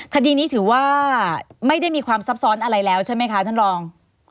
คดีนี้ถือว่าไม่ได้มีความซับซ้อนอะไรแล้วใช่ไหมคะท่านรอง